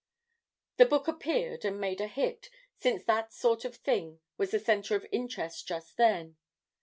"The book appeared and made a hit, since that sort of thing was the center of interest just then.